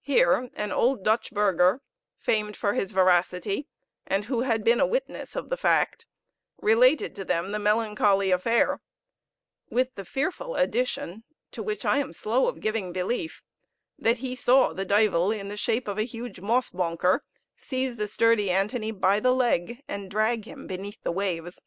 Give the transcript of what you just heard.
Here an old Dutch burgher, famed for his veracity, and who had been a witness of the fact, related to them the melancholy affair; with the fearful addition (to which I am slow of giving belief) that he saw the duyvel, in the shape of a huge mossbonker, seize the sturdy Antony by the leg and drag him beneath the waves.